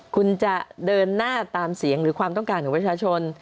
คุณจะเดินหน้าตามเสียงหรือความต้องการของประชาชน